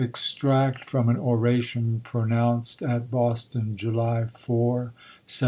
Extract from an Oration, pronounced at Bos ton, July 4, 1796.